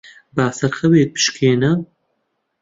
با سەرخەوێک بشکێنم.